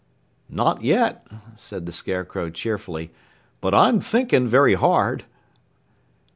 "Not yet," said the Scarecrow cheerfully, "but I'm thinking very hard."